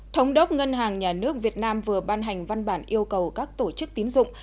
thống đốc ngân hàng nhà nước việt nam vừa ban hành văn bản yêu cầu các tổ chức tín dụng